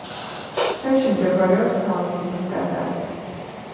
მთებში მდებარეობს დაოსიზმის ტაძარი.